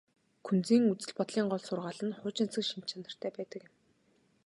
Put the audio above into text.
Күнзийн үзэл бодлын гол сургаал нь хуучинсаг шинж чанартай байдаг юм.